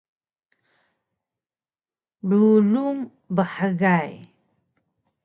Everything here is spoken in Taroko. Rulung bhgay